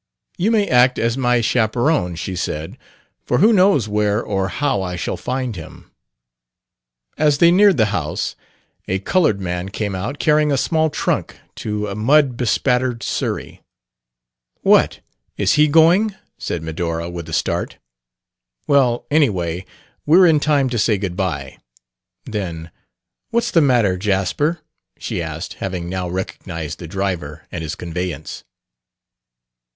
"You may act as my chaperon," she said; "for who knows where or how I shall find him?" As they neared the house a colored man came out, carrying a small trunk to a mud bespattered surrey. "What! is he going?" said Medora, with a start. "Well, anyway, we're in time to say good bye." Then, "What's the matter, Jasper?" she asked, having now recognized the driver and his conveyance.